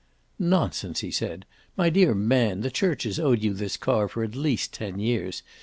"Nonsense," he said. "My dear man, the church has owed you this car for at least ten years.